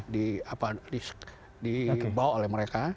dibawa oleh mereka